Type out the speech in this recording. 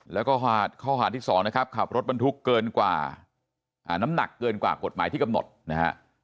แล้วก็ข้อหาที่๒นะครับขับรถบรรทุกเกินกว่าน้ำหนักเกินกว่ากฎหมายที่กำหนดนะฮะ